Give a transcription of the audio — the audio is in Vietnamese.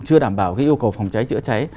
chưa đảm bảo cái yêu cầu phòng cháy dựa cháy